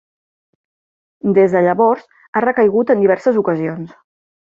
Des de llavors ha recaigut en diverses ocasions.